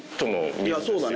いやそうだね。